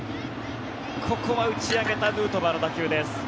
ここは打ち上げたヌートバーの打球です。